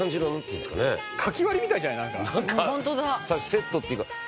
「セットっていうか」